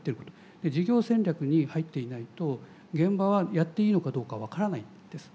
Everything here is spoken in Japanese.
事業戦略に入っていないと現場はやっていいのかどうか分からないです。